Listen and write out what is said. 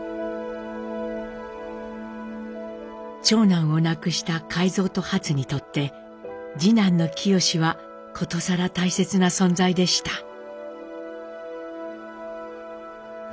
長男を亡くした海蔵とハツにとって次男の清はことさら大切な存在でした。